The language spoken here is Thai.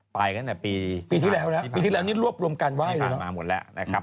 ปีที่แล้วเนี่ยปีที่แล้วเนี่ยรวบรวมการไหว้เลยหรอปีที่แล้วเนี่ยรวบรวมการไหว้มาหมดแล้วนะครับ